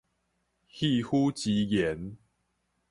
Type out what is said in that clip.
肺腑之言